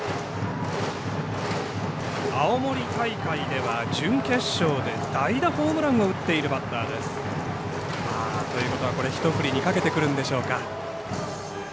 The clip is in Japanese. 青森大会では準決勝で代打ホームランを打っているバッターです。ということは、これはひと振りにかけてくるんでしょうか。